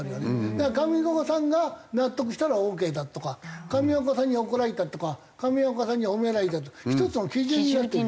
だから上岡さんが納得したらオーケーだとか上岡さんに怒られたとか上岡さんに褒められたって一つの基準になってる。